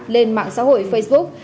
lên mạng xã hội facebook